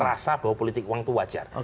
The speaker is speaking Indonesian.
kita tahu bahwa politik uang itu wajar